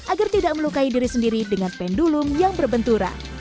agar tidak melukai diri sendiri dengan pendulum yang berbenturan